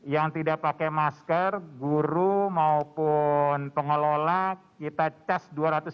yang tidak pakai masker guru maupun pengelola kita tes rp dua ratus lima puluh